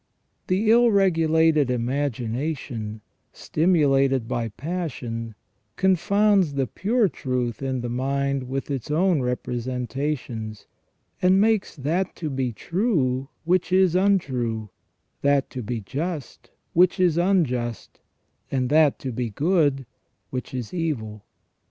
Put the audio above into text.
The ill regulated imagination, stimulated by passion, confounds the pure truth in the mind with its own representations, and makes that to be true which is untrue, that to be just which is unjust, and that to be good which is evil.